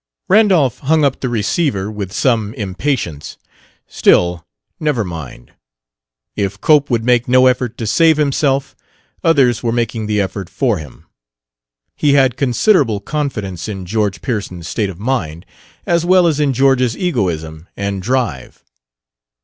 Randolph hung up the receiver, with some impatience. Still, never mind; if Cope would make no effort to save himself, others were making the effort for him. He had considerable confidence in George Pearson's state of mind, as well as in George's egoism and drive.